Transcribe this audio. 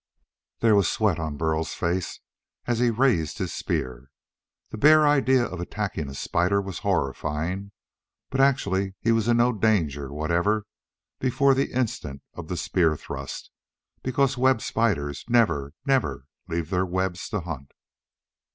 There was sweat on Burl's face as he raised his spear. The bare idea of attacking a spider was horrifying. But actually he was in no danger whatever before the instant of the spear thrust, because web spiders never, never, leave their webs to hunt.